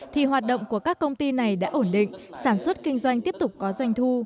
thì hoạt động của các công ty này đã ổn định sản xuất kinh doanh tiếp tục có doanh thu